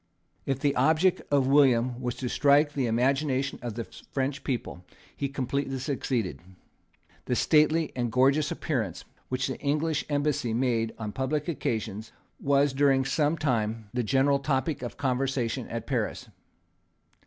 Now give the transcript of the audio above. If the object of William was to strike the imagination of the French people, he completely succeeded. The stately and gorgeous appearance which the English embassy made on public occasions was, during some time, the general topic of conversation at Paris.